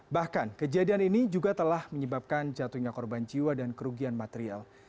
bahkan kejadian ini juga telah menyebabkan jatuhnya korban jiwa dan kerugian material